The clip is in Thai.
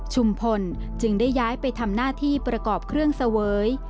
พลจึงได้ย้ายไปทำหน้าที่ประกอบเครื่องเสวย